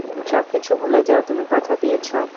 সবকিছু ভুলে যাও, তুমি কথা দিয়েছো।